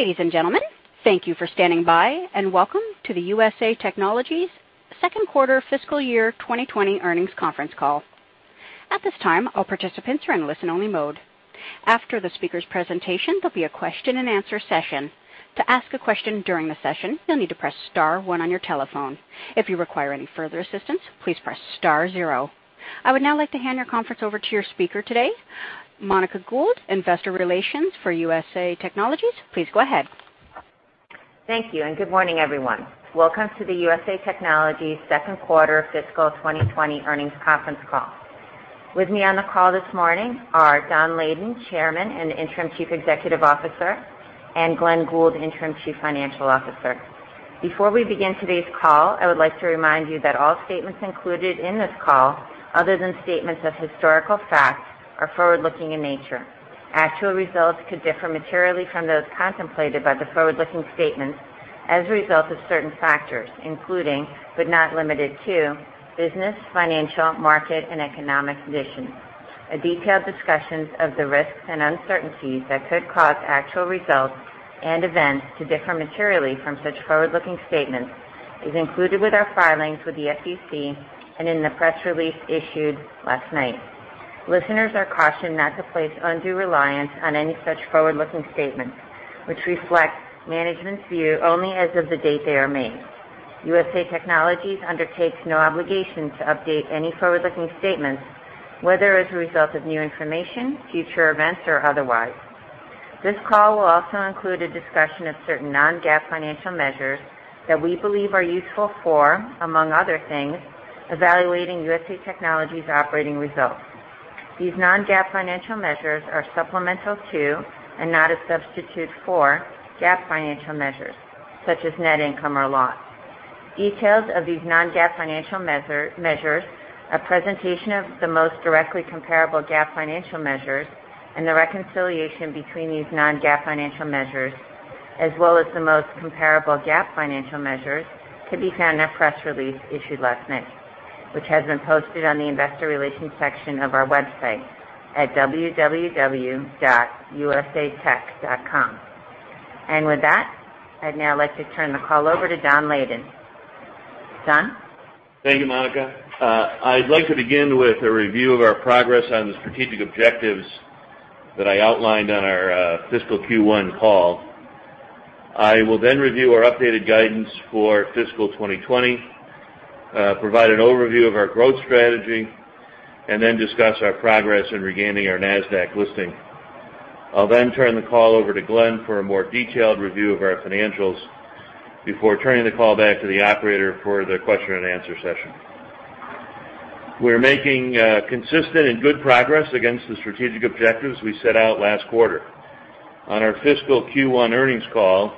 Ladies and gentlemen, thank you for standing by, and welcome to the USA Technologies Q2 Fiscal Year 2020 Earnings Conference Call. At this time, all participants are in listen-only mode. After the speaker's presentation, there will be a question-and-answer session. To ask a question during the session, you will need to press *1 on your telephone. If you require any further assistance, please press *0. I would now like to hand your conference over to your speaker today, Monica Gould, Investor Relations for USA Technologies. Please go ahead. Thank you, and good morning, everyone. Welcome to the USA Technologies Q2 Fiscal 2020 Earnings Conference Call. With me on the call this morning are Don Layden, Chairman and Interim Chief Executive Officer, and Glen Goold, Interim Chief Financial Officer. Before we begin today's call, I would like to remind you that all statements included in this call, other than statements of historical facts, are forward-looking in nature. Actual results could differ materially from those contemplated by the forward-looking statements as a result of certain factors, including, but not limited to, business, financial, market, and economic conditions. A detailed discussions of the risks and uncertainties that could cause actual results and events to differ materially from such forward-looking statements is included with our filings with the SEC and in the press release issued last night. Listeners are cautioned not to place undue reliance on any such forward-looking statements, which reflect management's view only as of the date they are made. USA Technologies undertakes no obligation to update any forward-looking statements, whether as a result of new information, future events, or otherwise. This call will also include a discussion of certain non-GAAP financial measures that we believe are useful for, among other things, evaluating USA Technologies' operating results. These non-GAAP financial measures are supplemental to, and not a substitute for, GAAP financial measures such as net income or loss. Details of these non-GAAP financial measures, a presentation of the most directly comparable GAAP financial measures, and the reconciliation between these non-GAAP financial measures, as well as the most comparable GAAP financial measures, can be found in our press release issued last night, which has been posted on the Investor Relations section of our website at www.usatech.com. With that, I'd now like to turn the call over to Don Layden. Don? Thank you, Monica. I'd like to begin with a review of our progress on the strategic objectives that I outlined on our fiscal Q1 call. I will then review our updated guidance for fiscal 2020, provide an overview of our growth strategy, and then discuss our progress in regaining our Nasdaq listing. I'll then turn the call over to Glen for a more detailed review of our financials before turning the call back to the operator for the question and answer session. We're making consistent and good progress against the strategic objectives we set out last quarter. On our fiscal Q1 earnings call,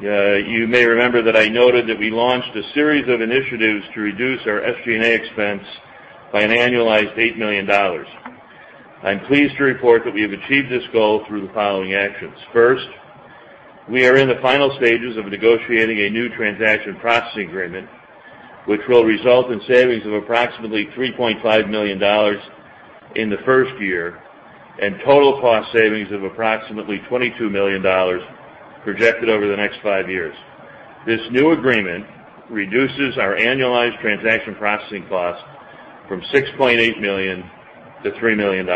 you may remember that I noted that we launched a series of initiatives to reduce our SG&A expense by an annualized $8 million. I'm pleased to report that we have achieved this goal through the following actions. First, we are in the final stages of negotiating a new transaction processing agreement, which will result in savings of approximately $3.5 million in the first year and total cost savings of approximately $22 million projected over the next five years. This new agreement reduces our annualized transaction processing cost from $6.8 million to $3 million.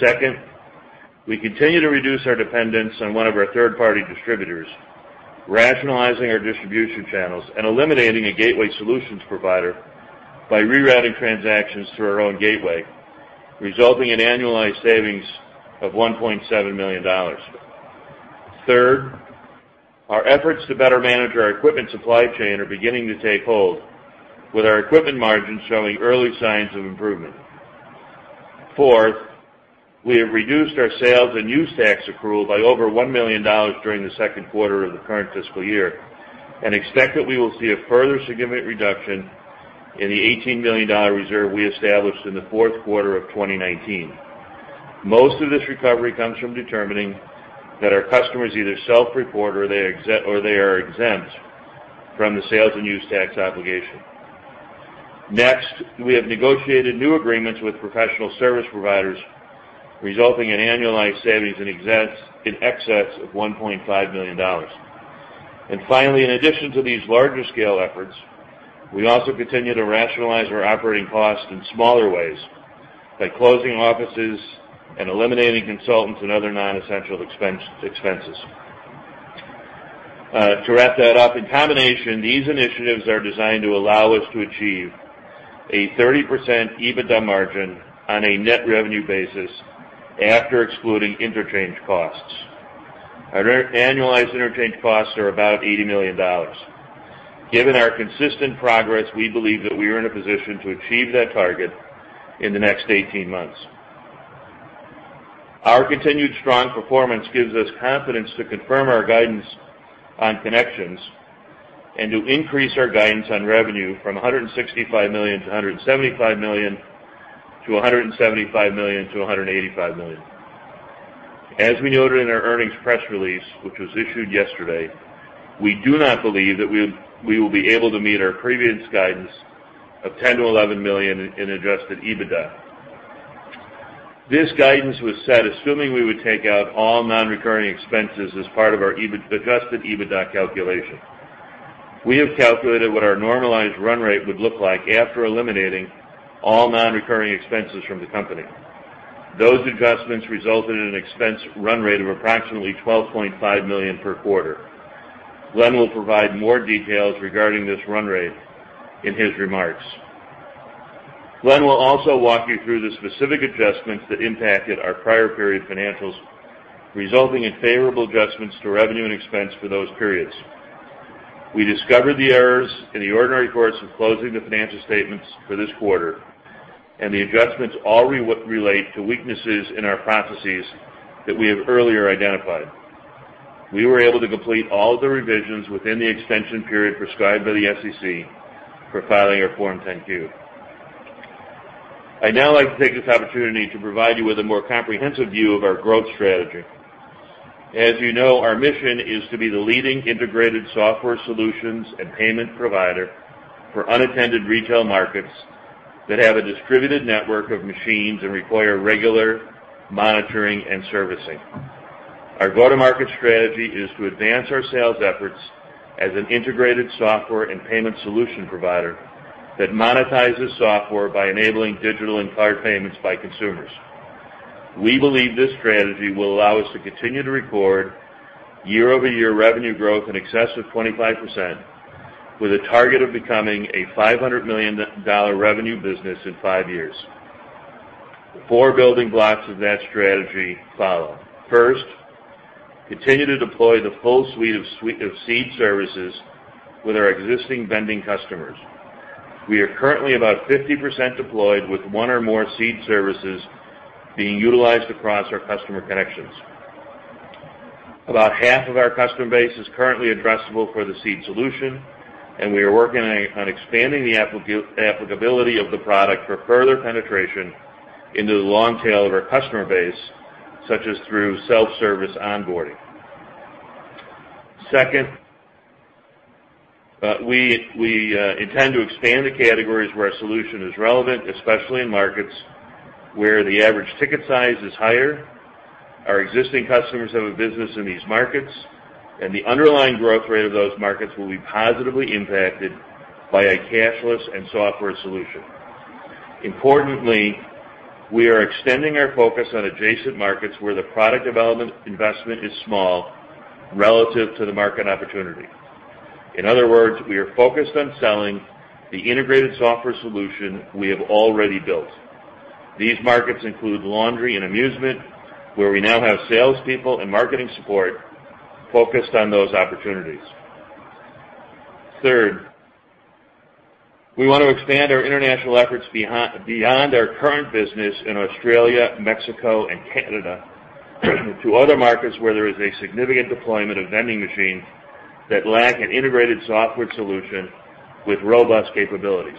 Second, we continue to reduce our dependence on one of our third-party distributors, rationalizing our distribution channels and eliminating a gateway solutions provider by rerouting transactions through our own gateway, resulting in annualized savings of $1.7 million. Third, our efforts to better manage our equipment supply chain are beginning to take hold, with our equipment margins showing early signs of improvement. Fourth, we have reduced our sales and use tax accrual by over $1 million during the Q2 of the current fiscal year and expect that we will see a further significant reduction in the $18 million reserve we established in the Q4 of 2019. Most of this recovery comes from determining that our customers either self-report or they are exempt from the sales and use tax obligation. Next, we have negotiated new agreements with professional service providers, resulting in annualized savings in excess of $1.5 million. Finally, in addition to these larger-scale efforts, we also continue to rationalize our operating costs in smaller ways by closing offices and eliminating consultants and other non-essential expenses. To wrap that up, in combination, these initiatives are designed to allow us to achieve a 30% EBITDA margin on a net revenue basis after excluding interchange costs. Our annualized interchange costs are about $80 million. Given our consistent progress, we believe that we are in a position to achieve that target in the next 18 months. Our continued strong performance gives us confidence to confirm our guidance on connections and to increase our guidance on revenue from $165 million-$175 million, to $175 million-$185 million. As we noted in our earnings press release, which was issued yesterday, we do not believe that we will be able to meet our previous guidance of $10 million-$11 million in adjusted EBITDA. This guidance was set assuming we would take out all non-recurring expenses as part of our adjusted EBITDA calculation. We have calculated what our normalized run rate would look like after eliminating all non-recurring expenses from the company. Those adjustments resulted in an expense run rate of approximately $12.5 million per quarter. Glen will provide more details regarding this run rate in his remarks. Glen will also walk you through the specific adjustments that impacted our prior period financials, resulting in favorable adjustments to revenue and expense for those periods. We discovered the errors in the ordinary course of closing the financial statements for this quarter, and the adjustments all relate to weaknesses in our processes that we have earlier identified. We were able to complete all of the revisions within the extension period prescribed by the SEC for filing our Form 10-Q. I'd now like to take this opportunity to provide you with a more comprehensive view of our growth strategy. As you know, our mission is to be the leading integrated software solutions and payment provider for unattended retail markets that have a distributed network of machines and require regular monitoring and servicing. Our go-to-market strategy is to advance our sales efforts as an integrated software and payment solution provider that monetizes software by enabling digital and card payments by consumers. We believe this strategy will allow us to continue to record year-over-year revenue growth in excess of 25%, with a target of becoming a $500 million revenue business in five years. The four building blocks of that strategy follow. First, continue to deploy the full suite of Seed services with our existing vending customers. We are currently about 50% deployed, with one or more Seed services being utilized across our customer connections. About half of our customer base is currently addressable for the Seed solution, and we are working on expanding the applicability of the product for further penetration into the long tail of our customer base, such as through self-service onboarding. Second, we intend to expand the categories where our solution is relevant, especially in markets where the average ticket size is higher, our existing customers have a business in these markets, and the underlying growth rate of those markets will be positively impacted by a cashless and software solution. Importantly, we are extending our focus on adjacent markets where the product development investment is small relative to the market opportunity. In other words, we are focused on selling the integrated software solution we have already built. These markets include laundry and amusement, where we now have salespeople and marketing support focused on those opportunities. Third, we want to expand our international efforts beyond our current business in Australia, Mexico, and Canada to other markets where there is a significant deployment of vending machines that lack an integrated software solution with robust capabilities.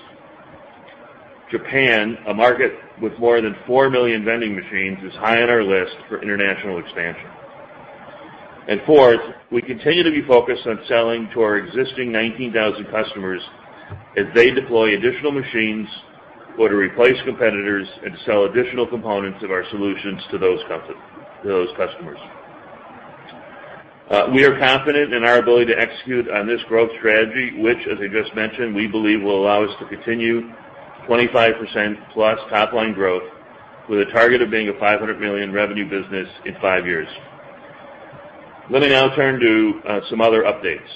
Japan, a market with more than four million vending machines, is high on our list for international expansion. Fourth, we continue to be focused on selling to our existing 19,000 customers as they deploy additional machines or to replace competitors and sell additional components of our solutions to those customers. We are confident in our ability to execute on this growth strategy, which as I just mentioned, we believe will allow us to continue 25%-plus top-line growth, with a target of being a $500 million revenue business in five years. Let me now turn to some other updates.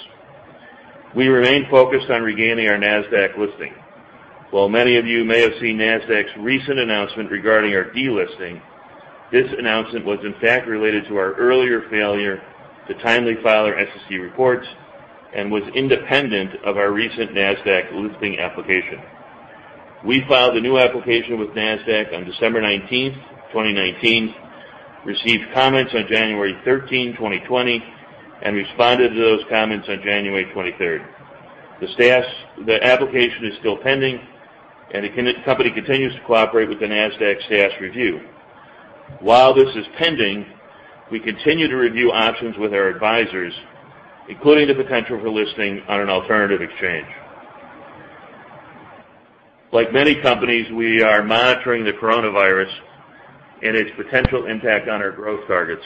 We remain focused on regaining our Nasdaq listing. While many of you may have seen Nasdaq's recent announcement regarding our delisting, this announcement was in fact related to our earlier failure to timely file our SEC reports and was independent of our recent Nasdaq listing application. We filed a new application with Nasdaq on December 19th, 2019, received comments on January 13, 2020, and responded to those comments on January 23rd. The application is still pending, and the company continues to cooperate with the Nasdaq staff's review. While this is pending, we continue to review options with our advisors, including the potential for listing on an alternative exchange. Like many companies, we are monitoring the coronavirus and its potential impact on our growth targets.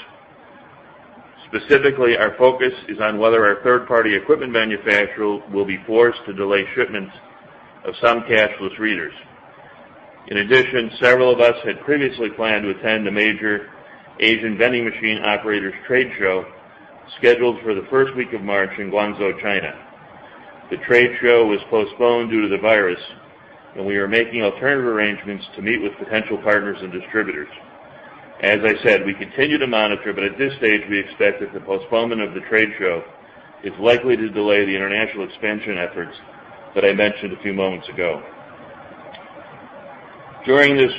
Specifically, our focus is on whether our third-party equipment manufacturer will be forced to delay shipments of some cashless readers. In addition, several of us had previously planned to attend a major Asian vending machine operators trade show scheduled for the first week of March in Guangzhou, China. The trade show was postponed due to the virus, and we are making alternative arrangements to meet with potential partners and distributors. As I said, we continue to monitor, but at this stage, we expect that the postponement of the trade show is likely to delay the international expansion efforts that I mentioned a few moments ago. During this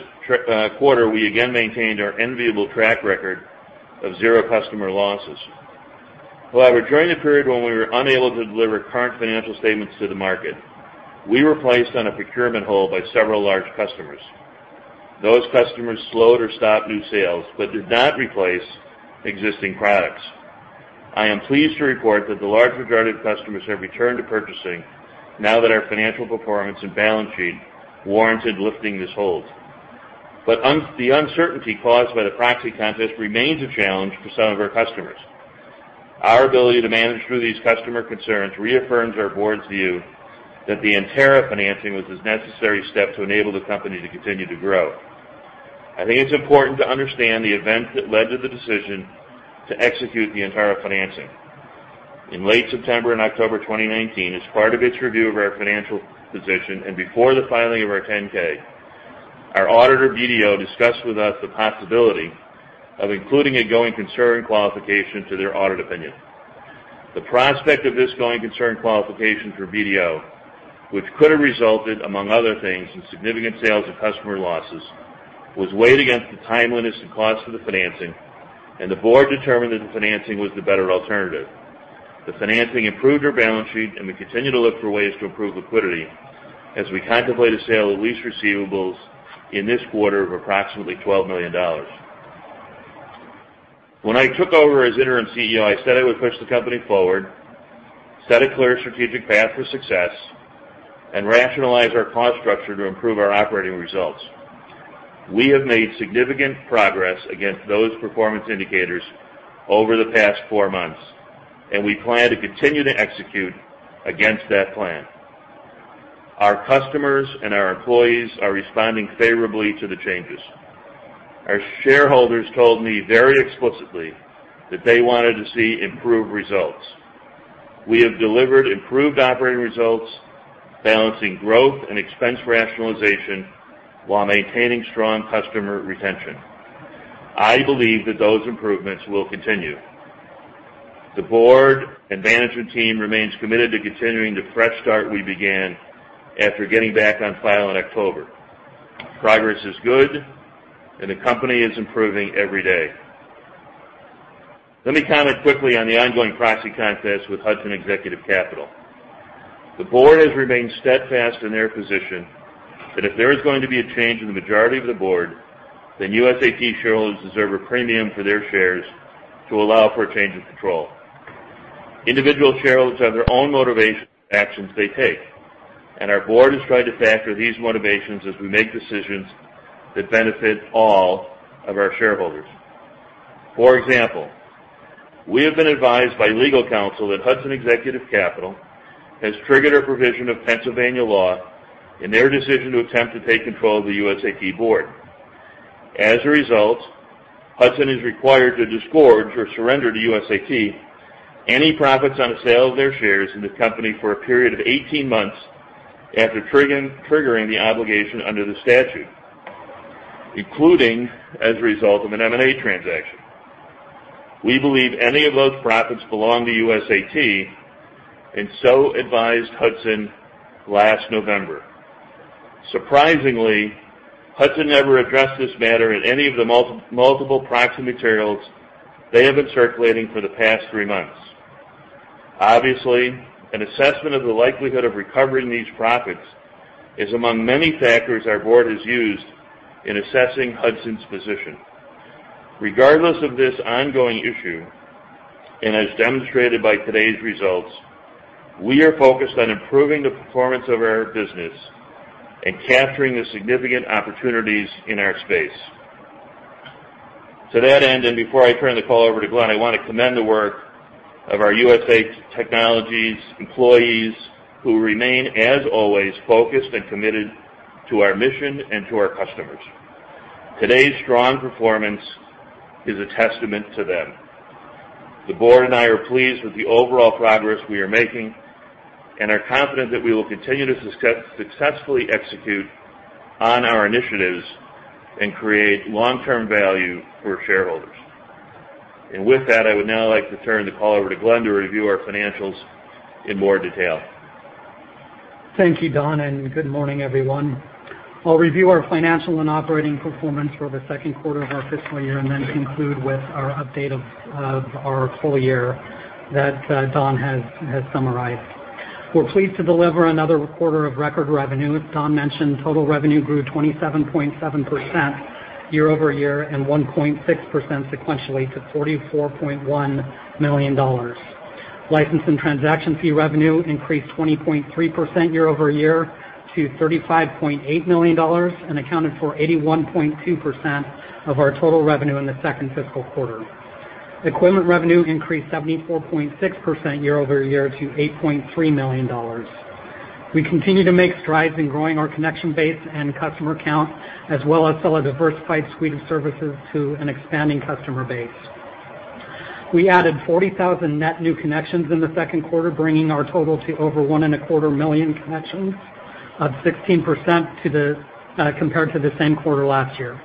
quarter, we again maintained our enviable track record of zero customer losses. However, during the period when we were unable to deliver current financial statements to the market, we were placed on a procurement hold by several large customers. Those customers slowed or stopped new sales but did not replace existing products. I am pleased to report that the large majority of customers have returned to purchasing now that our financial performance and balance sheet warranted lifting this hold. The uncertainty caused by the proxy contest remains a challenge for some of our customers. Our ability to manage through these customer concerns reaffirms our board's view that the Antara financing was a necessary step to enable the company to continue to grow. I think it's important to understand the events that led to the decision to execute the Antara financing. In late September and October 2019, as part of its review of our financial position, and before the filing of our Form 10-K, our auditor, BDO, discussed with us the possibility of including a going concern qualification to their audit opinion. The prospect of this going concern qualification for BDO, which could have resulted, among other things, in significant sales and customer losses, was weighed against the timeliness and cost of the financing, and the board determined that the financing was the better alternative. The financing improved our balance sheet, and we continue to look for ways to improve liquidity as we contemplate a sale of lease receivables in this quarter of approximately $12 million. When I took over as Interim CEO, I said I would push the company forward, set a clear strategic path for success, and rationalize our cost structure to improve our operating results. We have made significant progress against those performance indicators over the past four months, and we plan to continue to execute against that plan. Our customers and our employees are responding favorably to the changes. Our shareholders told me very explicitly that they wanted to see improved results. We have delivered improved operating results, balancing growth and expense rationalization while maintaining strong customer retention. I believe that those improvements will continue. The board and management team remains committed to continuing the fresh start we began after getting back on file in October. Progress is good, and the company is improving every day. Let me comment quickly on the ongoing proxy contest with Hudson Executive Capital. The board has remained steadfast in their position that if there is going to be a change in the majority of the board, then USAT shareholders deserve a premium for their shares to allow for a change of control. Individual shareholders have their own motivation actions they take, and our board has tried to factor these motivations as we make decisions that benefit all of our shareholders. For example, we have been advised by legal counsel that Hudson Executive Capital has triggered a provision of Pennsylvania law in their decision to attempt to take control of the USAT board. As a result, Hudson is required to disgorge or surrender to USAT any profits on the sale of their shares in the company for a period of 18 months after triggering the obligation under the statute, including as a result of an M&A transaction. We believe any of those profits belong to USAT and so advised Hudson last November. Surprisingly, Hudson never addressed this matter in any of the multiple proxy materials they have been circulating for the past three months. Obviously, an assessment of the likelihood of recovering these profits is among many factors our board has used in assessing Hudson's position. Regardless of this ongoing issue, as demonstrated by today's results, we are focused on improving the performance of our business and capturing the significant opportunities in our space. To that end, before I turn the call over to Glen, I want to commend the work of our USA Technologies employees who remain, as always, focused and committed to our mission and to our customers. Today's strong performance is a testament to them. The board and I are pleased with the overall progress we are making and are confident that we will continue to successfully execute on our initiatives and create long-term value for shareholders. With that, I would now like to turn the call over to Glen to review our financials in more detail. Thank you, Don, and good morning, everyone. I'll review our financial and operating performance for the Q2 of our fiscal year, and then conclude with our update of our full year that Don has summarized. We're pleased to deliver another quarter of record revenue. As Don mentioned, total revenue grew 27.7% year-over-year and 1.6% sequentially to $44.1 million. License and transaction fee revenue increased 20.3% year-over-year to $35.8 million and accounted for 81.2% of our total revenue in the second fiscal quarter. Equipment revenue increased 74.6% year-over-year to $8.3 million. We continue to make strides in growing our connection base and customer count, as well as sell a diversified suite of services to an expanding customer base. We added 40,000 net new connections in the Q2, bringing our total to over 1.25 million connections, up 16% compared to the same quarter last year.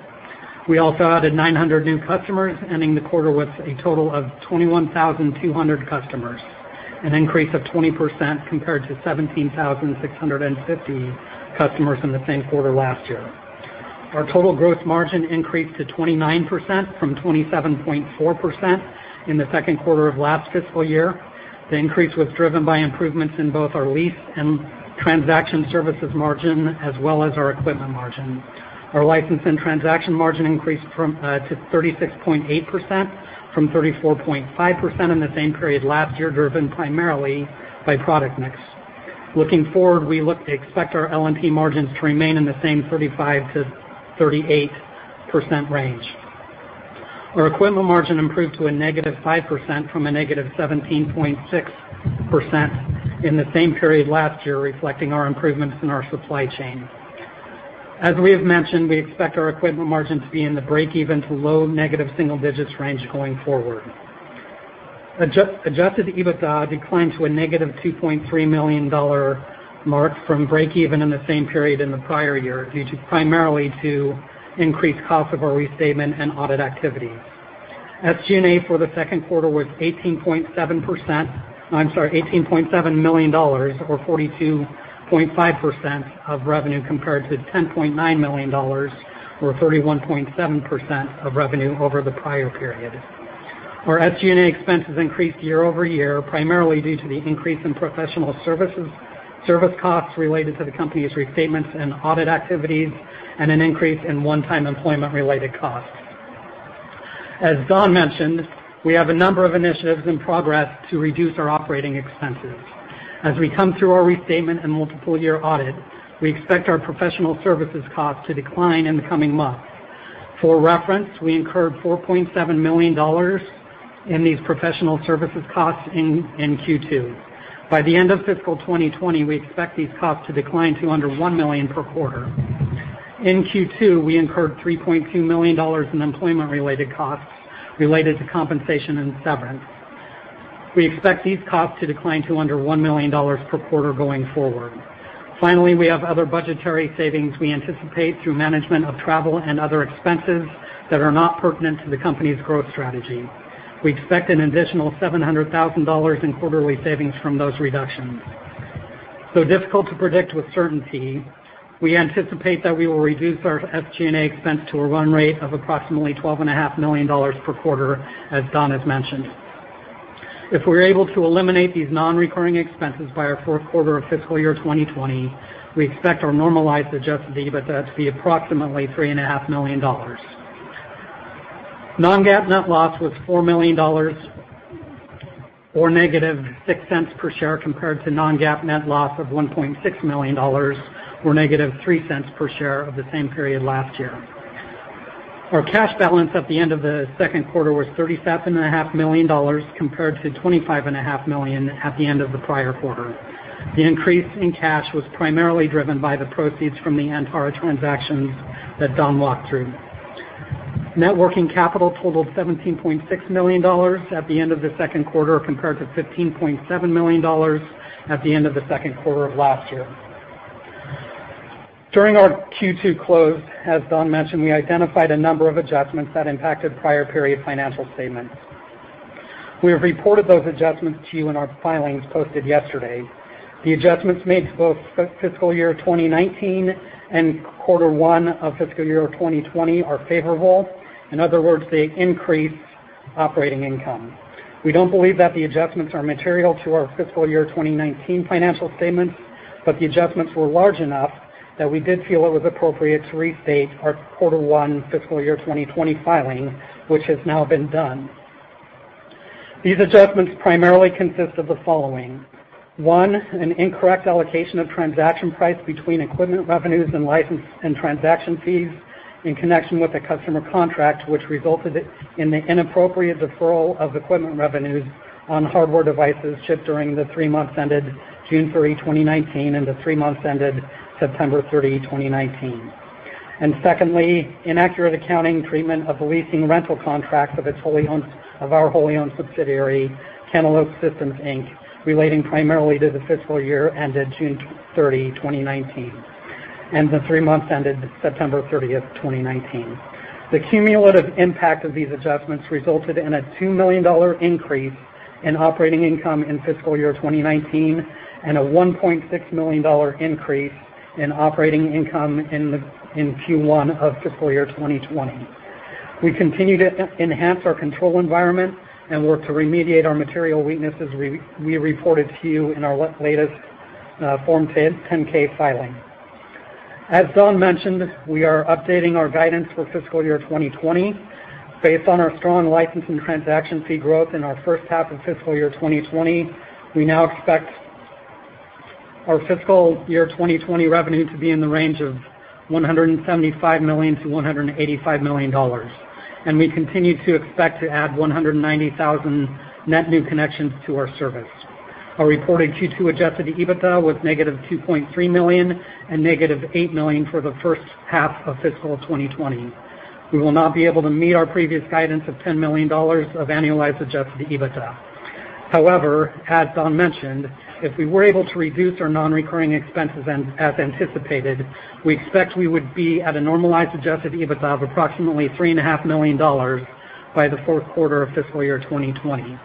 We also added 900 new customers, ending the quarter with a total of 21,200 customers, an increase of 20% compared to 17,650 customers in the same quarter last year. Our total gross margin increased to 29%, from 27.4% in the Q2 of last fiscal year. The increase was driven by improvements in both our lease and transaction services margin as well as our equipment margin. Our license and transaction margin increased to 36.8% from 34.5% in the same period last year, driven primarily by product mix. Looking forward, we expect our LNP margins to remain in the same 35%-40% range. Our equipment margin improved to -5% from -17.6% in the same period last year, reflecting our improvements in our supply chain. As we have mentioned, we expect our equipment margin to be in the break-even to low negative single-digits range going forward. adjusted EBITDA declined to a -$2.3 million mark from break-even in the same period in the prior year, due primarily to increased cost of our restatement and audit activities. SG&A for the Q2 was $18.7 million, or 42.5% of revenue, compared to $10.9 million, or 31.7% of revenue over the prior period. Our SG&A expenses increased year-over-year, primarily due to the increase in professional service costs related to the company's restatements and audit activities and an increase in one-time employment-related costs. As Don mentioned, we have a number of initiatives in progress to reduce our operating expenses. As we come through our restatement and multiple-year audit, we expect our professional services costs to decline in the coming months. For reference, we incurred $4.7 million in these professional services costs in Q2. By the end of fiscal 2020, we expect these costs to decline to under $1 million per quarter. In Q2, we incurred $3.2 million in employment-related costs related to compensation and severance. We expect these costs to decline to under $1 million per quarter going forward. We have other budgetary savings we anticipate through management of travel and other expenses that are not pertinent to the company's growth strategy. We expect an additional $700,000 in quarterly savings from those reductions. Though difficult to predict with certainty, we anticipate that we will reduce our SG&A expense to a run rate of approximately $12.5 million per quarter, as Don has mentioned. If we're able to eliminate these non-recurring expenses by our Q4 of fiscal year 2020, we expect our normalized adjusted EBITDA to be approximately $3.5 million. Non-GAAP net loss was $4 million or negative $0.06 per share compared to non-GAAP net loss of $1.6 million or -$0.03 per share of the same period last year. Our cash balance at the end of the Q2 was $37.5 million compared to $25.5 million at the end of the prior quarter. The increase in cash was primarily driven by the proceeds from the Antara transactions that Don walked through. Net working capital totaled $17.6 million at the end of the Q2, compared to $15.7 million at the end of the Q2 of last year. During our Q2 close, as Don mentioned, we identified a number of adjustments that impacted prior period financial statements. We have reported those adjustments to you in our filings posted yesterday. The adjustments made to both fiscal year 2019 and Q1 of fiscal year 2020 are favorable. In other words, they increase operating income. We do not believe that the adjustments are material to our fiscal year 2019 financial statements, but the adjustments were large enough that we did feel it was appropriate to restate our Q1 fiscal year 2020 filing, which has now been done. These adjustments primarily consist of the following. One, an incorrect allocation of transaction price between equipment revenues and license and transaction fees in connection with a customer contract, which resulted in the inappropriate deferral of equipment revenues on hardware devices shipped during the three months ended June 30, 2019, and the three months ended September 30, 2019. Secondly, inaccurate accounting treatment of the leasing rental contract of our wholly owned subsidiary, Cantaloupe Systems, Inc., relating primarily to the fiscal year ended June 30, 2019, and the three months ended September 30, 2019. The cumulative impact of these adjustments resulted in a $2 million increase in operating income in fiscal year 2019 and a $1.6 million increase in operating income in Q1 of fiscal year 2020. We continue to enhance our control environment and work to remediate our material weaknesses we reported to you in our latest Form 10-K filing. As Don mentioned, we are updating our guidance for fiscal year 2020. Based on our strong license and transaction fee growth in our first half of fiscal year 2020, we now expect our fiscal year 2020 revenue to be in the range of $175 million-$185 million, and we continue to expect to add 190,000 net new connections to our service. Our reported Q2 adjusted EBITDA was -$2.3 million and -$8 million for the first half of fiscal 2020. We will not be able to meet our previous guidance of $10 million of annualized adjusted EBITDA. However, as Don mentioned, if we were able to reduce our non-recurring expenses as anticipated, we expect we would be at a normalized adjusted EBITDA of approximately $3.5 million by theQ4 of fiscal year 2020.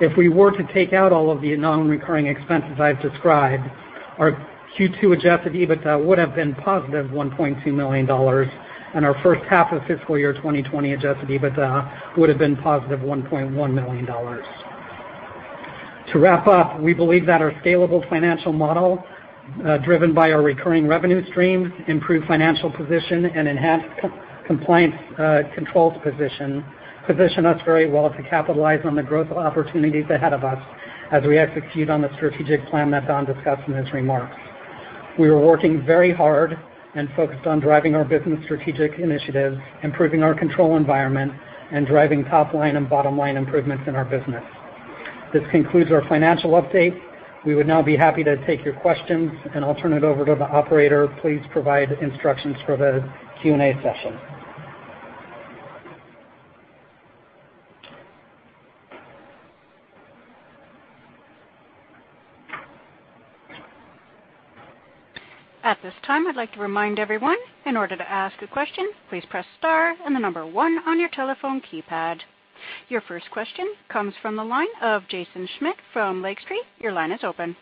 If we were to take out all of the non-recurring expenses I've described. Our Q2 adjusted EBITDA would have been positive $1.2 million, and our first half of fiscal year 2020 adjusted EBITDA would've been positive $1.1 million. To wrap up, we believe that our scalable financial model, driven by our recurring revenue stream, improved financial position, and enhanced compliance controls position us very well to capitalize on the growth opportunities ahead of us as we execute on the strategic plan that Don discussed in his remarks. We are working very hard and focused on driving our business strategic initiatives, improving our control environment, and driving top-line and bottom-line improvements in our business. This concludes our financial update. We would now be happy to take your questions, I'll turn it over to the operator. Please provide instructions for the Q&A session. At this time, I'd like to remind everyone, in order to ask a question, please press *1 on your telephone keypad. Your first question comes from the line of Jaeson Schmidt from Lake Street. Your line is open.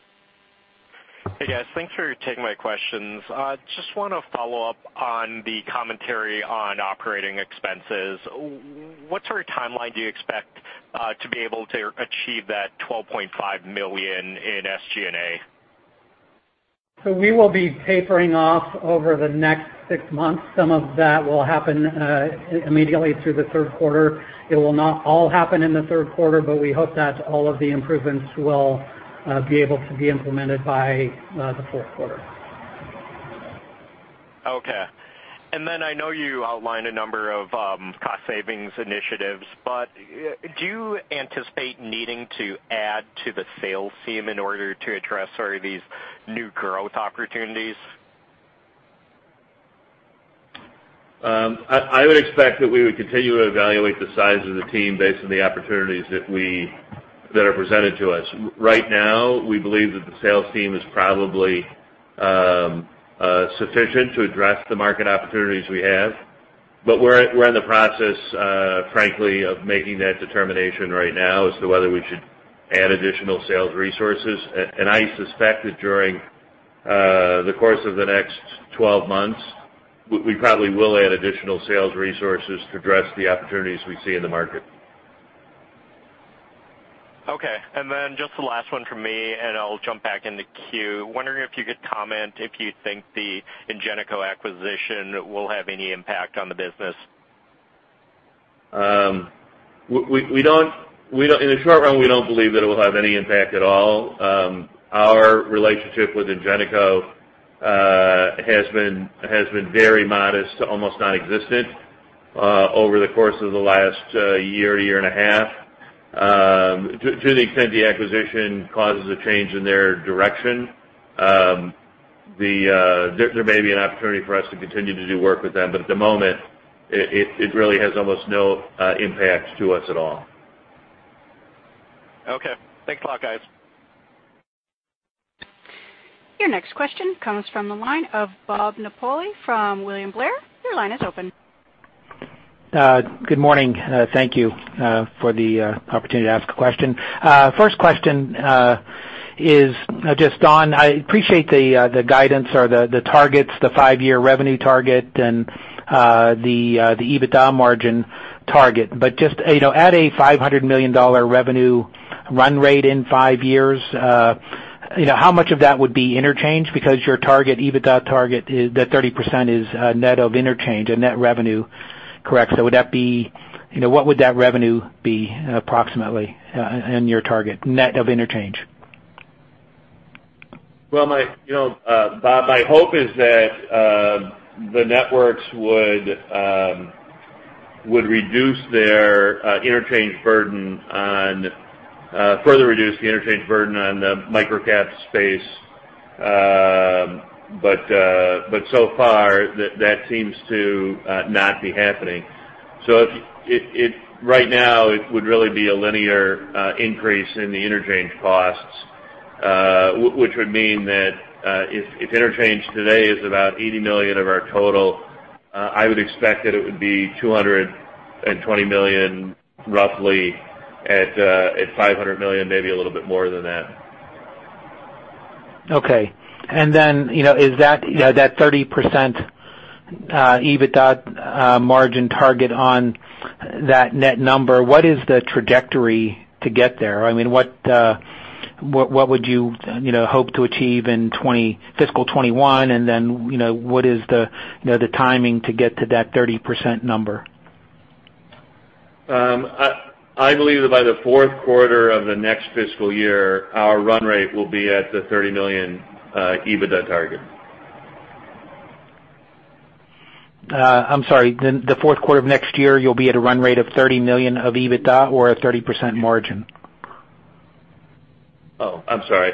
Hey, guys. Thanks for taking my questions. Just want to follow up on the commentary on operating expenses. What sort of timeline do you expect to be able to achieve that $12.5 million in SG&A? We will be tapering off over the next six months. Some of that will happen immediately through the Q3. It will not all happen in the Q3, but we hope that all of the improvements will be able to be implemented by the Q4. Okay. I know you outlined a number of cost savings initiatives, but do you anticipate needing to add to the sales team in order to address these new growth opportunities? I would expect that we would continue to evaluate the size of the team based on the opportunities that are presented to us. Right now, we believe that the sales team is probably sufficient to address the market opportunities we have. But we're in the process, frankly, of making that determination right now as to whether we should add additional sales resources. And I suspect that during the course of the next 12 months, we probably will add additional sales resources to address the opportunities we see in the market. Okay. Just the last one from me, and I'll jump back in the queue. I'm wondering if you could comment if you think the Ingenico acquisition will have any impact on the business? In the short run, we don't believe that it will have any impact at all. Our relationship with Ingenico has been very modest to almost nonexistent over the course of the last year and a half. To the extent the acquisition causes a change in their direction, there may be an opportunity for us to continue to do work with them, but at the moment, it really has almost no impact to us at all. Okay. Thanks a lot, guys. Your next question comes from the line of Bob Napoli from William Blair. Your line is open. Good morning. Thank you for the opportunity to ask a question. First question is just, Don, I appreciate the guidance or the targets, the five-year revenue target and the EBITDA margin target. Just at a $500 million revenue run rate in five years, how much of that would be interchange? Because your EBITDA target, the 30% is net of interchange and net revenue, correct? What would that revenue be approximately in your target net of interchange? Bob, my hope is that the networks would further reduce the interchange burden on the micro-payment space. So far, that seems to not be happening. Right now, it would really be a linear increase in the interchange costs, which would mean that if interchange today is about $80 million of our total, I would expect that it would be $220 million roughly at $500 million, maybe a little bit more than that. Okay. Is that 30% EBITDA margin target on that net number, what is the trajectory to get there? What would you hope to achieve in fiscal 2021, and then, what is the timing to get to that 30% number? I believe that by the Q4 of the next fiscal year, our run rate will be at the $30 million EBITDA target. I'm sorry. The Q4 of next year, you'll be at a run rate of $30 million of EBITDA or a 30% margin? Oh, I'm sorry.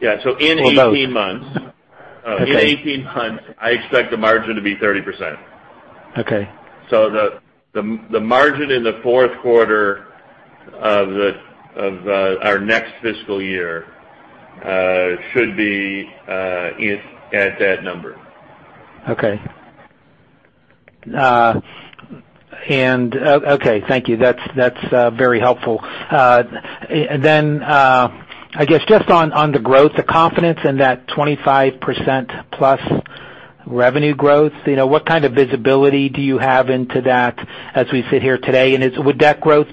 Yeah. In 18 months- Both. Okay. In 18 months, I expect the margin to be 30%. Okay. The margin in the Q4 of our next fiscal year should be at that number. Okay, thank you. That's very helpful. I guess just on the growth, the confidence in that 25% plus revenue growth, what kind of visibility do you have into that as we sit here today? Would that growth,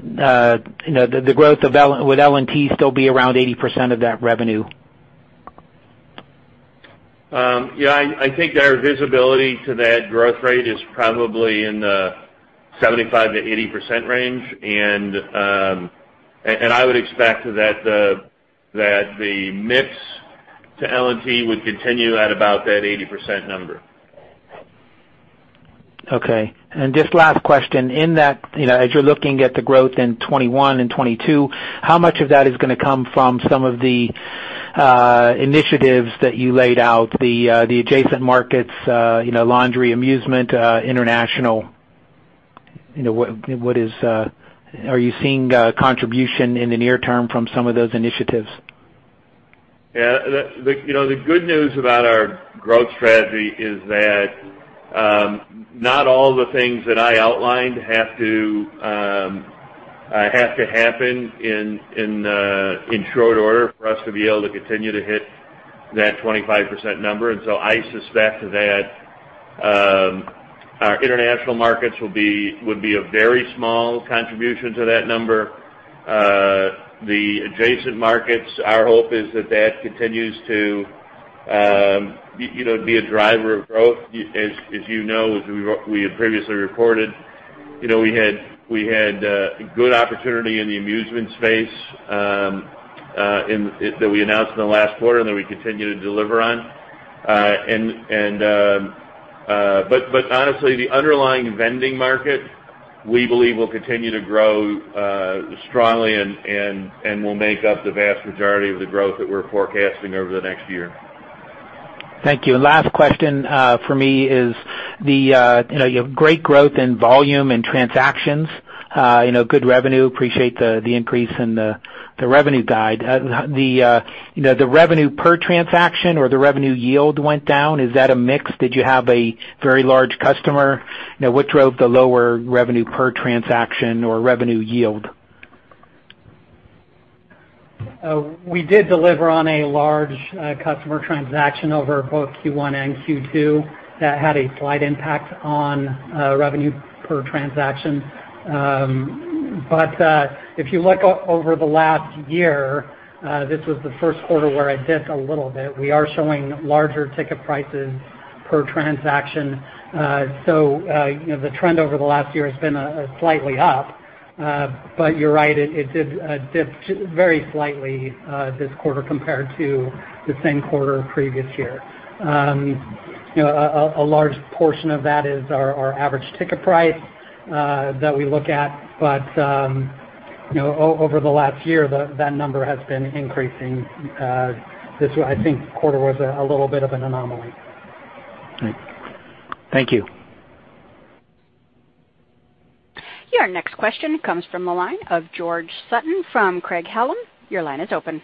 would L&T still be around 80% of that revenue? Yeah, I think our visibility to that growth rate is probably in the 75%-80% range. I would expect that the mix to L&T would continue at about that 80% number. Okay. Just last question, as you're looking at the growth in 2021 and 2022, how much of that is going to come from some of the initiatives that you laid out, the adjacent markets, laundry, amusement, international? Are you seeing contribution in the near term from some of those initiatives? The good news about our growth strategy is that not all the things that I outlined have to happen in short order for us to be able to continue to hit that 25% number. I suspect that our international markets would be a very small contribution to that number. The adjacent markets, our hope is that that continues to be a driver of growth. As you know, as we had previously reported, we had a good opportunity in the amusement space, that we announced in the last quarter, and that we continue to deliver on. Honestly, the underlying vending market, we believe will continue to grow strongly and will make up the vast majority of the growth that we're forecasting over the next year. Thank you. Last question for me is, you have great growth in volume and transactions, good revenue, appreciate the increase in the revenue guide. The revenue per transaction or the revenue yield went down, is that a mix? Did you have a very large customer? What drove the lower revenue per transaction or revenue yield? We did deliver on a large customer transaction over both Q1 and Q2 that had a slight impact on revenue per transaction. If you look over the last year, this was the Q1 where it dipped a little bit. We are showing larger ticket prices per transaction. The trend over the last year has been slightly up. You're right, it did dip very slightly this quarter compared to the same quarter previous year. A large portion of that is our average ticket price that we look at. Over the last year, that number has been increasing. This, I think, quarter was a little bit of an anomaly. Right. Thank you. Your next question comes from the line of George Sutton from Craig-Hallum. Your line is open.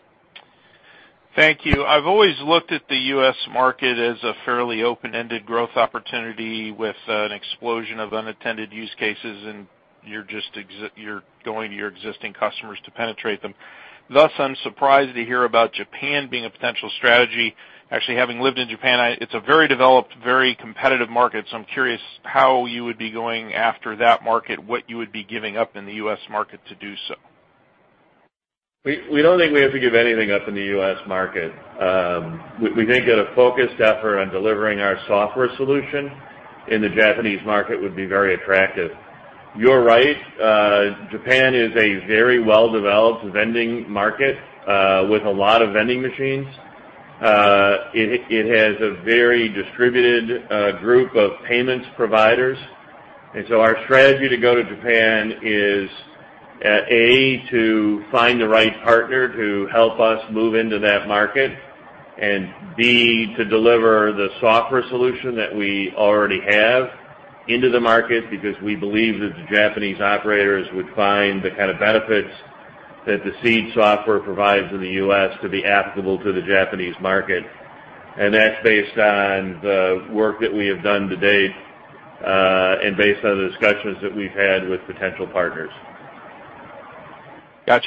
Thank you. I've always looked at the U.S. market as a fairly open-ended growth opportunity with an explosion of unattended use cases, and you're going to your existing customers to penetrate them. Thus, I'm surprised to hear about Japan being a potential strategy. Actually, having lived in Japan, it's a very developed, very competitive market, so I'm curious how you would be going after that market, what you would be giving up in the U.S. market to do so. We don't think we have to give anything up in the U.S. market. We think that a focused effort on delivering our software solution in the Japanese market would be very attractive. You're right, Japan is a very well-developed vending market, with a lot of vending machines. It has a very distributed group of payments providers. Our strategy to go to Japan is, A, to find the right partner to help us move into that market, and B, to deliver the software solution that we already have into the market, because we believe that the Japanese operators would find the kind of benefits that the Seed software provides in the U.S. to be applicable to the Japanese market. That's based on the work that we have done to date, and based on the discussions that we've had with potential partners. Got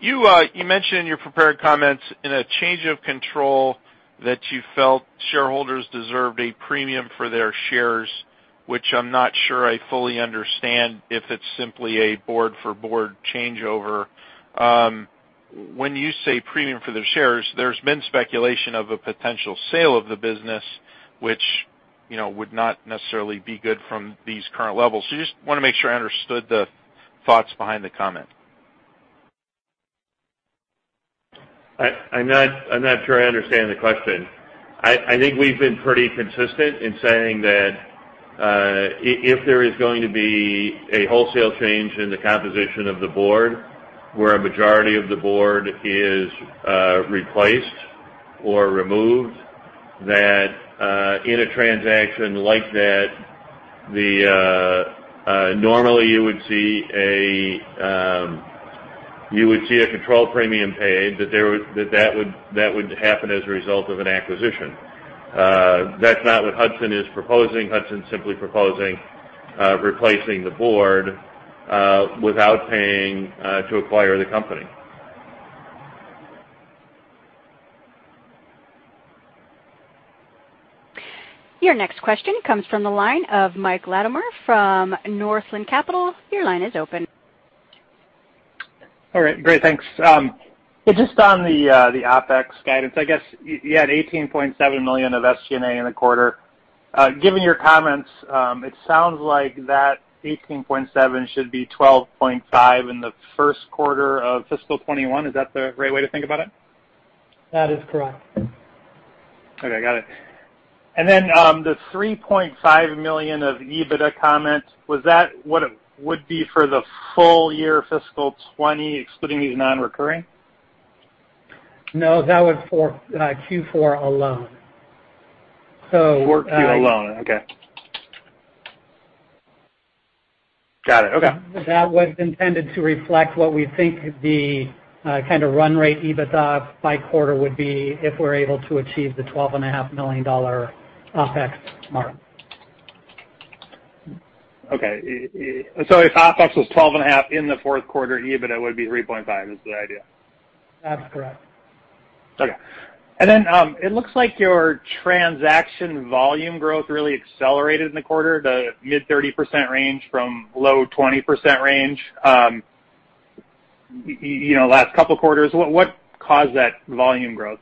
you. You mentioned in your prepared comments in a change of control that you felt shareholders deserved a premium for their shares, which I'm not sure I fully understand if it's simply a board for board changeover. When you say premium for their shares, there's been speculation of a potential sale of the business, which would not necessarily be good from these current levels. Just want to make sure I understood the thoughts behind the comment. I'm not sure I understand the question. I think we've been pretty consistent in saying that if there is going to be a wholesale change in the composition of the board, where a majority of the board is replaced or removed, that in a transaction like that, normally you would see a control premium paid that would happen as a result of an acquisition. That's not what Hudson is proposing. Hudson's simply proposing replacing the board without paying to acquire the company. Your next question comes from the line of Mike Latimore from Northland Capital. Your line is open. All right. Great. Thanks. Just on the OpEx guidance, I guess you had $18.7 million of SG&A in the quarter. Given your comments, it sounds like that $18.7 million should be $12.5 million in the Q1 of fiscal 2021. Is that the right way to think about it? That is correct. Okay, got it. Then the $3.5 million of EBITDA comment, was that what it would be for the full year fiscal 2020, excluding these non-recurring? No, that was for Q4 alone. For Q4 alone, okay. Got it. Okay. That was intended to reflect what we think the kind of run rate EBITDA by quarter would be if we're able to achieve the $12.5 million OpEx mark. Okay. If OpEx was $12.5 million in the Q4, EBITDA would be $3.5 million, is the idea? That's correct. Okay. It looks like your transaction volume growth really accelerated in the quarter, the mid-30% range from low 20% range last couple of quarters. What caused that volume growth?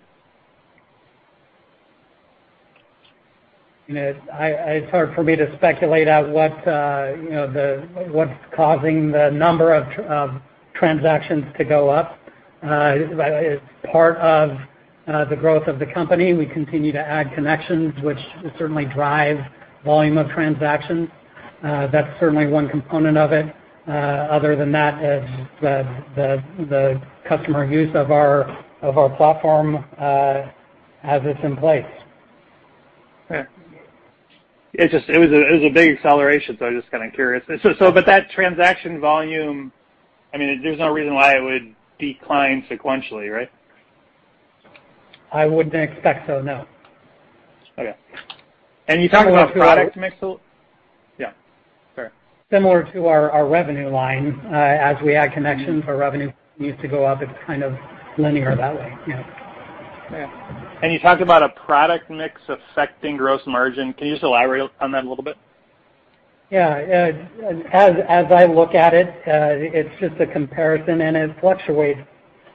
It's hard for me to speculate at what's causing the number of transactions to go up. It's part of the growth of the company. We continue to add connections, which certainly drive volume of transactions. That's certainly one component of it. Other than that, the customer use of our platform as it's in place. Okay. It was a big acceleration. I'm just kind of curious. That transaction volume, there's no reason why it would decline sequentially, right? I wouldn't expect so, no. You talked about product mix. Similar to our revenue line, as we add connections, our revenue continues to go up. It's kind of linear that way, yeah. Okay. You talked about a product mix affecting gross margin. Can you just elaborate on that a little bit? Yeah. As I look at it's just a comparison, and it fluctuates.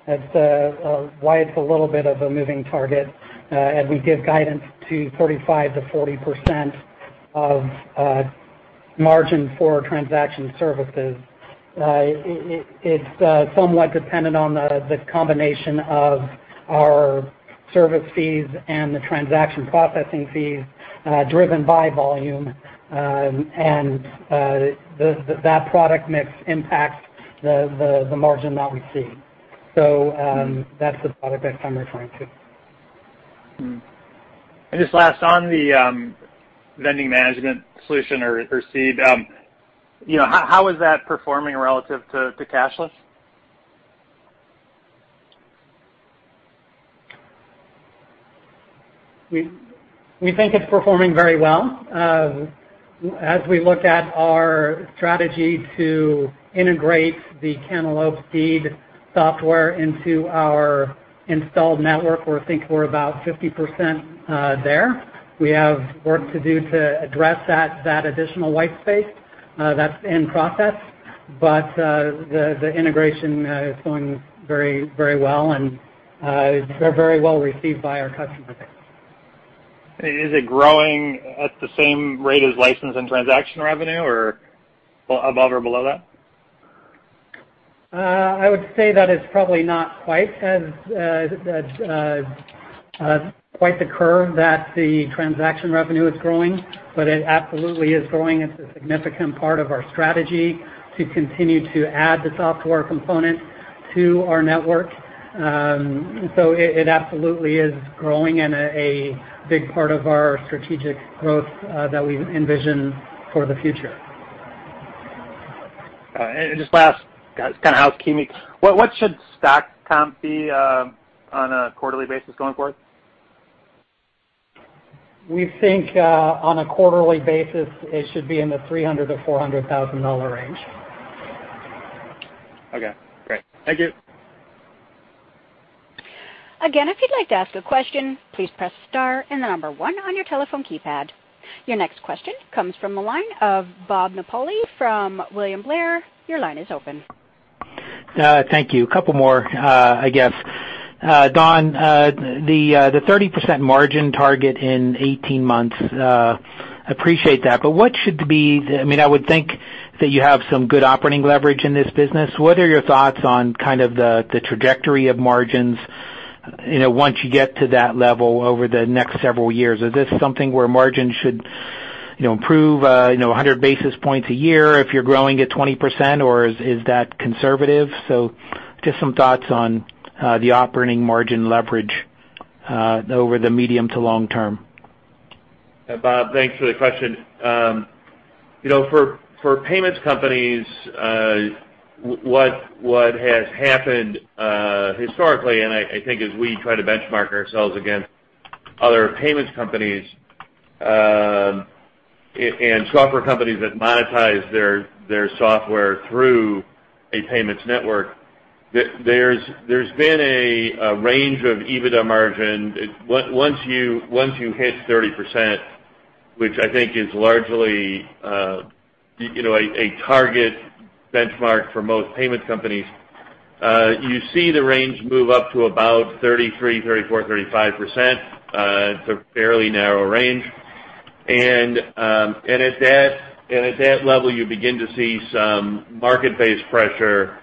That's why it's a little bit of a moving target as we give guidance to 35%-40% of margin for transaction services. It's somewhat dependent on the combination of our service fees and the transaction processing fees driven by volume, and that product mix impacts the margin that we see. That's the product mix I'm referring to. Just last, on the vending management solution or Seed, how is that performing relative to cashless? We think it's performing very well. As we look at our strategy to integrate the Cantaloupe Seed software into our installed network, we think we're about 50% there. We have work to do to address that additional white space. That's in process, but the integration is going very well, and they're very well-received by our customers. Is it growing at the same rate as license and transaction revenue or above or below that? I would say that it's probably not quite the curve that the transaction revenue is growing, but it absolutely is growing. It's a significant part of our strategy to continue to add the software component to our network. It absolutely is growing and a big part of our strategic growth that we envision for the future. All right. Just last, kind of housekeeping. What should stock comp be on a quarterly basis going forward? We think on a quarterly basis, it should be in the $300,000-$400,000 range. Okay, great. Thank you. Again, if you'd like to ask a question, please press *1 on your telephone keypad. Your next question comes from the line of Bob Napoli from William Blair. Your line is open. Thank you. Couple more, I guess. Don, the 30% margin target in 18 months, appreciate that, but I would think that you have some good operating leverage in this business. What are your thoughts on kind of the trajectory of margins once you get to that level over the next several years? Is this something where margins should improve 100 basis points a year if you're growing at 20%, or is that conservative? Just some thoughts on the operating margin leverage over the medium to long term. Bob, thanks for the question. For payments companies, what has happened historically, and I think as we try to benchmark ourselves against other payments companies and software companies that monetize their software through a payments network, there's been a range of EBITDA margin. Once you hit 30%, which I think is largely a target benchmark for most payment companies, you see the range move up to about 33%, 34%, 35%. It's a fairly narrow range. At that level, you begin to see some market-based pressure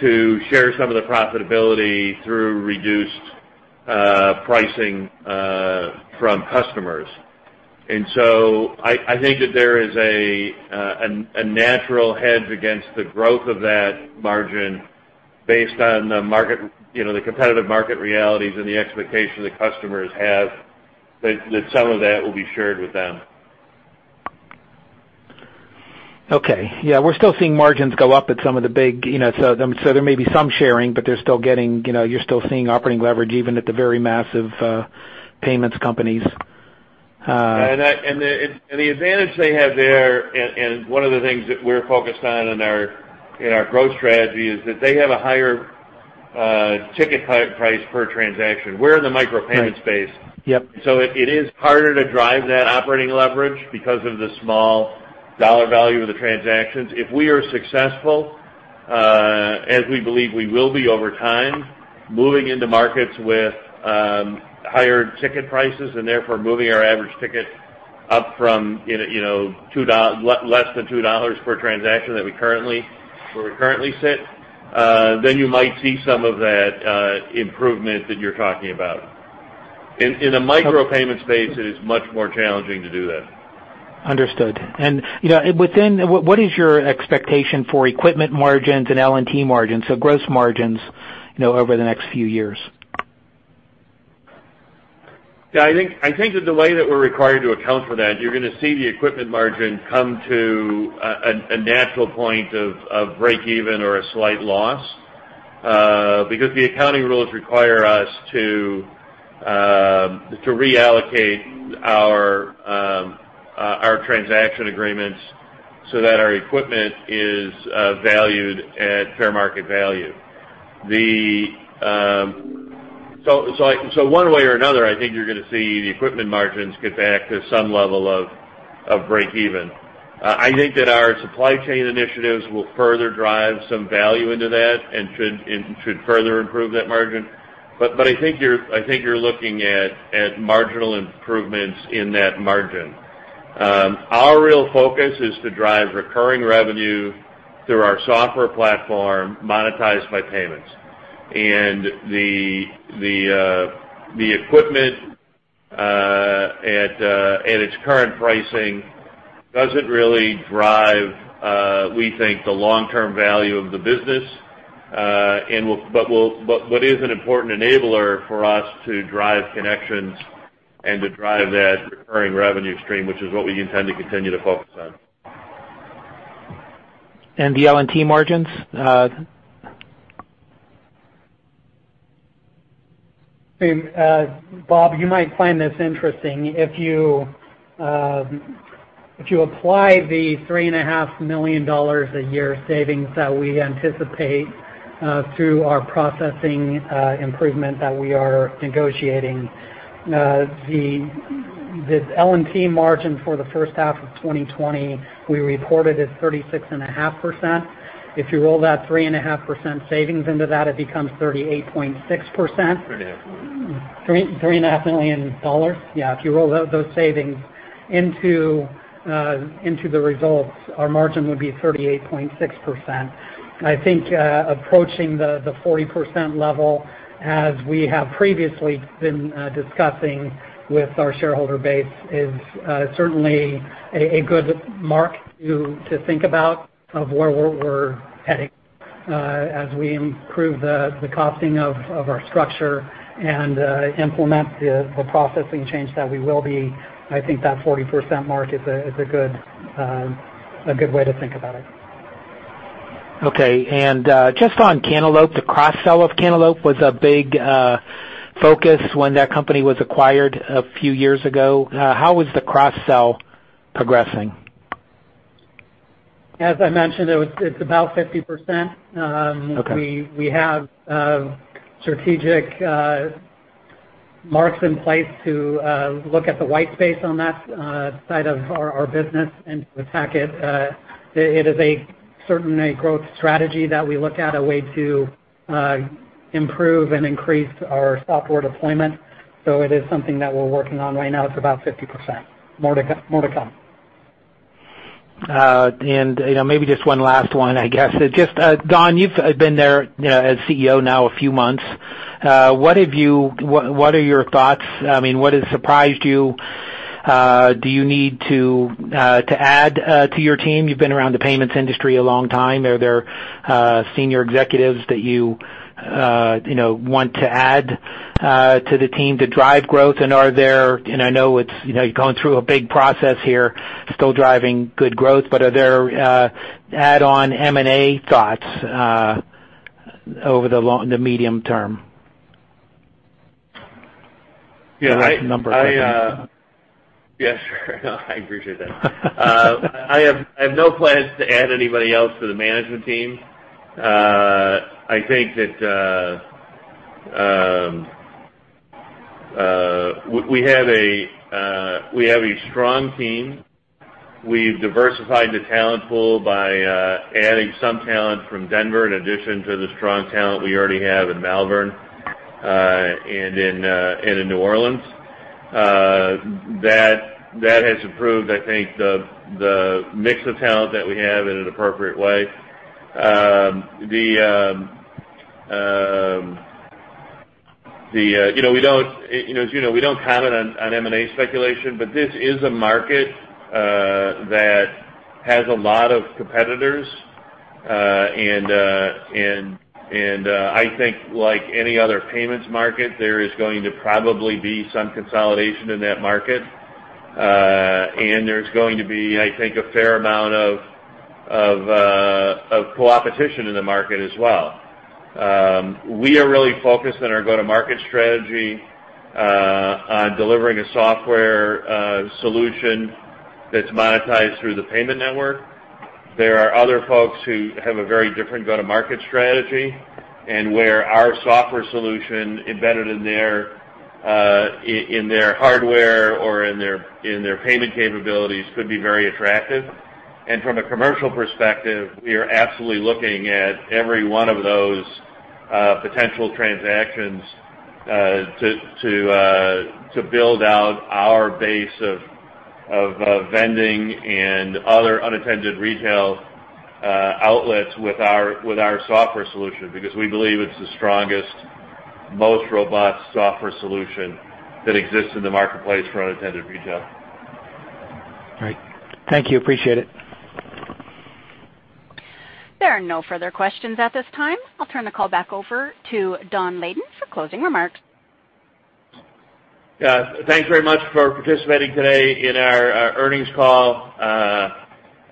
to share some of the profitability through reduced pricing from customers. I think that there is a natural hedge against the growth of that margin based on the competitive market realities and the expectation that customers have, that some of that will be shared with them. Okay. Yeah, we're still seeing margins go up at some of the big, there may be some sharing, but you're still seeing operating leverage even at the very massive payments companies. The advantage they have there, and one of the things that we're focused on in our growth strategy, is that they have a higher ticket price per transaction. We're in the micropayment space. Yep. It is harder to drive that operating leverage because of the small dollar value of the transactions. If we are successful, as we believe we will be over time, moving into markets with higher ticket prices, and therefore moving our average ticket up from less than $2 per transaction where we currently sit, then you might see some of that improvement that you're talking about. In a micropayment space, it is much more challenging to do that. Understood. What is your expectation for equipment margins and LNP margins, so gross margins over the next few years? Yeah, I think the way that we're required to account for that, you're going to see the equipment margin come to a natural point of breakeven or a slight loss, because the accounting rules require us to reallocate our transaction agreements so that our equipment is valued at fair market value. One way or another, I think you're going to see the equipment margins get back to some level of breakeven. I think that our supply chain initiatives will further drive some value into that and should further improve that margin. I think you're looking at marginal improvements in that margin. Our real focus is to drive recurring revenue through our software platform monetized by payments. The equipment at its current pricing doesn't really drive, we think, the long-term value of the business, but is an important enabler for us to drive connections and to drive that recurring revenue stream, which is what we intend to continue to focus on. The LNP margins? Bob, you might find this interesting. If you apply the $3.5 million a year savings that we anticipate through our processing improvement that we are negotiating, the LNP margin for the first half of 2020, we reported as 36.5%. If you roll that 3.5% savings into that, it becomes 38.6%. $3.5 million. Yeah, if you roll out those savings into the results, our margin would be 38.6%. I think approaching the 40% level, as we have previously been discussing with our shareholder base, is certainly a good mark to think about of where we're heading as we improve the costing of our structure and implement the processing change that we will be. I think that 40% mark is a good way to think about it. Okay. Just on Cantaloupe, the cross-sell of Cantaloupe was a big focus when that company was acquired a few years ago. How was the cross-sell progressing? As I mentioned, it's about 50%. We have strategic marks in place to look at the white space on that side of our business and to attack it. It is certainly a growth strategy that we look at, a way to improve and increase our software deployment. It is something that we're working on right now. It's about 50%. More to come. Maybe just one last one, I guess. Just, Don, you've been there as CEO now a few months. What are your thoughts? What has surprised you? Do you need to add to your team? You've been around the payments industry a long time. Are there senior executives that you want to add to the team to drive growth? I know you're going through a big process here, still driving good growth, but are there add-on M&A thoughts over the medium term? Yeah. The right number. I have no plans to add anybody else to the management team. I think that we have a strong team. We've diversified the talent pool by adding some talent from Denver in addition to the strong talent we already have in Malvern and in New Orleans. That has improved, I think, the mix of talent that we have in an appropriate way. As you know, we don't comment on M&A speculation. This is a market that has a lot of competitors, and I think, like any other payments market, there is going to probably be some consolidation in that market. There's going to be, I think, a fair amount of co-opetition in the market as well. We are really focused on our go-to-market strategy on delivering a software solution that's monetized through the payment network. There are other folks who have a very different go-to-market strategy, and where our software solution embedded in their hardware or in their payment capabilities could be very attractive. From a commercial perspective, we are absolutely looking at every one of those potential transactions to build out our base of vending and other unattended retail outlets with our software solution, because we believe it's the strongest, most robust software solution that exists in the marketplace for unattended retail. Great. Thank you. Appreciate it. There are no further questions at this time. I'll turn the call back over to Don Layden for closing remarks. Yeah. Thanks very much for participating today in our earnings call.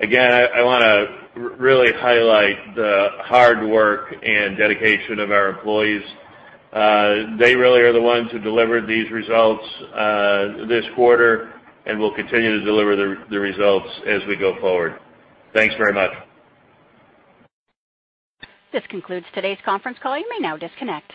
Again, I want to really highlight the hard work and dedication of our employees. They really are the ones who delivered these results this quarter, and will continue to deliver the results as we go forward. Thanks very much. This concludes today's conference call. You may now disconnect.